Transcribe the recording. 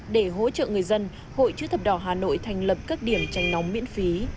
để hỗ trợ người dân hội chữ thập đỏ hà nội thành lập các điểm tranh nóng miễn phí